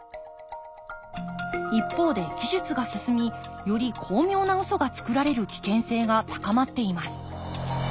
一方で技術が進みより巧妙なウソがつくられる危険性が高まっています。